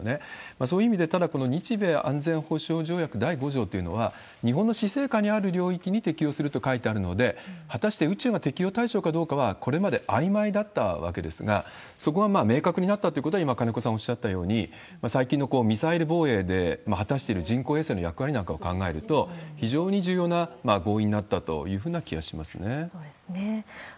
そういう意味で、ただ、この日米安全保障条約第５条というのは、日本の施政下にある領域に適用すると書いてあるので、果たして宇宙が適用対象かどうかは、これまであいまいだったわけですが、そこが明確になったということは、今、金子さんおっしゃったように、最近のミサイル防衛で果たしている人工衛星の役割なんかを考えると、非常に重要な合意になったというふうな気はしますよね。